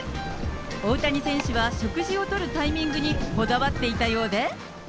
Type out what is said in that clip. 大谷選手は食事をとるタイミングにこだわっていたようで。